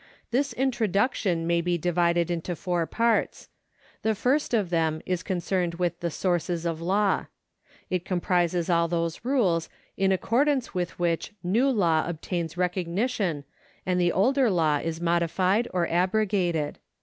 This introduction may be divided into four parts. The first of them is concerned with the sources of law. It 481 2 II 482 APPENDIX IV comprises all those rules in accordance with which new law obtains recogni tion and the older law is modified or abrogated.